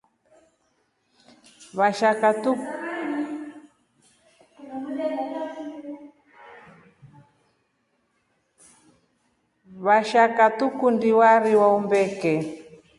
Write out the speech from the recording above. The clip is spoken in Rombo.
Vashaka tukundii warii wa umbeke.